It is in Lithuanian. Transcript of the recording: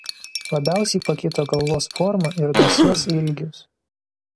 Labiausiai pakito galvos forma ir nosies ilgis.